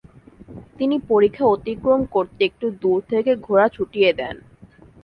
তিনি পরিখা অতিক্রম করতে একটু দূর থেকে ঘোড়া ছুটিয়ে দেন।